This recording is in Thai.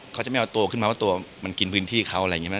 เขาจะไม่เอาตัวขึ้นมาว่าตัวมันกินพื้นที่เขาอะไรอย่างนี้ไหม